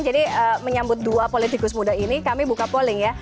jadi menyambut dua politikus muda ini kami buka polling ya